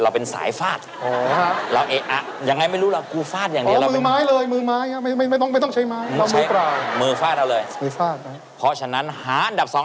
เราเป็นสายฟาด